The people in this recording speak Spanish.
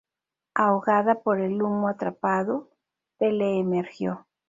Ahogada por el humo atrapado, Pele emergió.